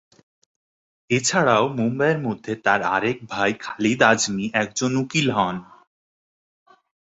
এছাড়াও মুম্বাইয়ের মধ্যে তার আরেক ভাই খালিদ আজমি একজন উকিল হন।